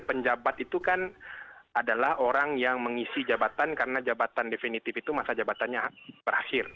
penjabat itu kan adalah orang yang mengisi jabatan karena jabatan definitif itu masa jabatannya berakhir